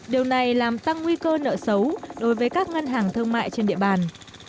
điều này làm tăng nguy cơ nợ xấu đối với các ngân hàng thương mại trên địa bàn